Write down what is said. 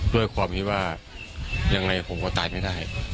ด้วยความคิดว่ายังไงผมก็ตายไม่ได้